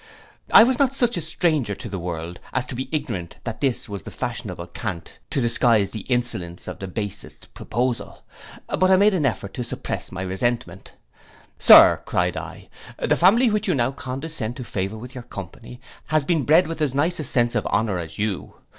I was not such a stranger to the world as to be ignorant that this was the fashionable cant to disguise the insolence of the basest proposal; but I made an effort to suppress my resentment. 'Sir,' cried I, 'the family which you now condescend to favour with your company, has been bred with as nice a sense of honour as you.